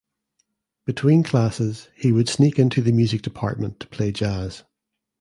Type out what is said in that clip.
Between classes he would sneak into the music department to play jazz.